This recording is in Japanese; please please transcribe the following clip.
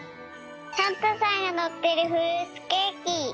サンタさんがのってるフルーツケーキ！